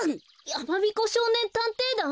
やまびこしょうねんたんていだん？